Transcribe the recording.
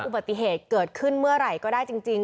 อุบัติเหตุเกิดขึ้นเมื่อไหร่ก็ได้จริง